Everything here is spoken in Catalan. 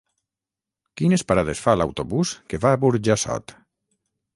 Quines parades fa l'autobús que va a Burjassot?